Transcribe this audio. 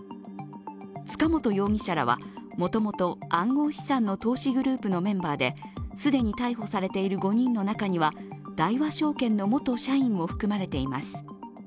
塚本容疑者らは、もともと暗号資産の投資グループのメンバーで既に逮捕されている５人の中には大和証券の元社員も含まれています。